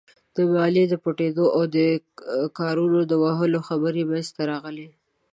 د ماليې د پټېدو او د کاروانونو د وهلو خبرې مينځته راغلې.